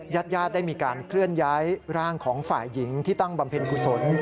ญาติญาติได้มีการเคลื่อนย้ายร่างของฝ่ายหญิงที่ตั้งบำเพ็ญกุศล